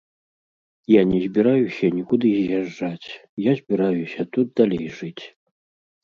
Я не збіраюся нікуды з'язджаць, я збіраюся тут далей жыць.